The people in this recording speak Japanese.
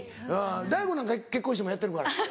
ＤＡＩＧＯなんか結婚してもやってるから。